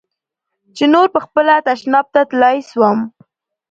چې نور پخپله تشناب ته تلاى سوم.